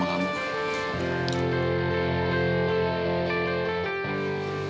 mungkin emang mau nyedi kayak gitu